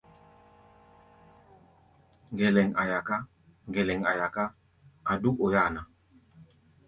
Ŋgɛlɛŋ a̧ yaká, ŋgɛlɛŋ a̧ yaká, a̧ dúk oi-áa ná.